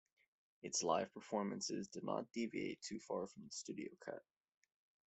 Its live performances did not deviate too far from the studio cut.